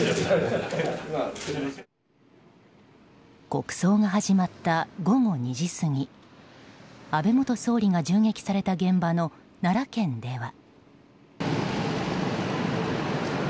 国葬が始まった午後２時過ぎ安倍元総理が銃撃された現場の奈良県では。